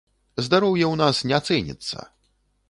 Здароўе у нас не цэніцца!